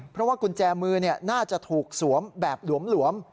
เพราะว่ากุญแจมือน่าจะถูกสวมแบบหลวม